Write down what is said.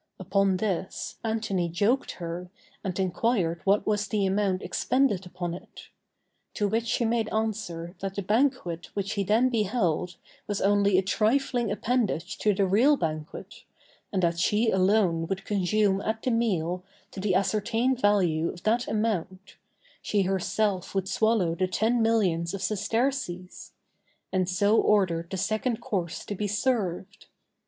Upon this, Antony joked her, and enquired what was the amount expended upon it; to which she made answer that the banquet which he then beheld was only a trifling appendage to the real banquet, and that she alone would consume at the meal to the ascertained value of that amount, she herself would swallow the ten millions of sesterces; and so ordered the second course to be served.